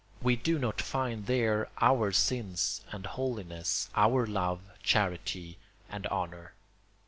We do not find there our sins and holiness, our love, charity, and honour.